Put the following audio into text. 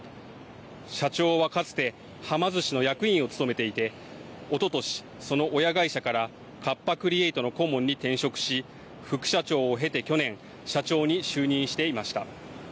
社長はかつて、はま寿司の役員を務めていて、おととし、その親会社からカッパ・クリエイトの顧問に転職し副社長を経て去年、社長に就任していました。